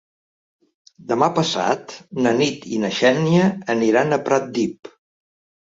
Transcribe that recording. Demà passat na Nit i na Xènia aniran a Pratdip.